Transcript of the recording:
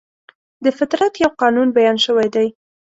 د فطرت یو قانون بیان شوی دی.